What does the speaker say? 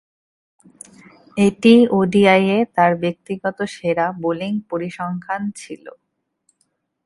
এটিই ওডিআইয়ে তার ব্যক্তিগত সেরা বোলিং পরিসংখ্যান ছিল।